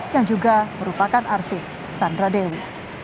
yang juga merupakan artis sandra dewi